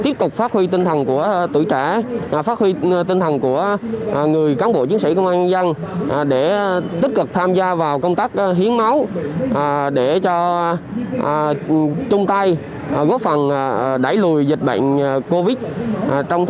mà còn lan tỏa tinh thần của người chiến sĩ công an nhân dân